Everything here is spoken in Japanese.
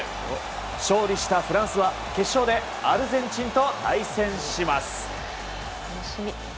勝利したフランスは決勝でアルゼンチンと対戦します。